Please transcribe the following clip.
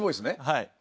はい。